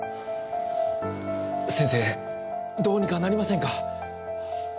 先生どうにかなりませんか？